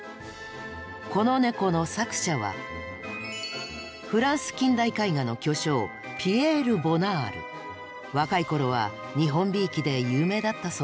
このネコの作者はフランス近代絵画の巨匠若い頃は日本びいきで有名だったそうですよ。